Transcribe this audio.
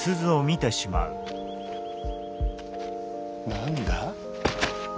何だ？